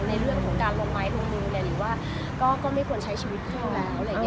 ในเรื่องของการลงไม้โมงมือหรือว่าก็ไม่ควรใช้ชีวิตผู้แล้ว